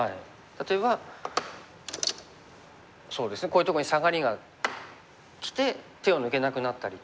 こういうとこにサガリがきて手を抜けなくなったりとか。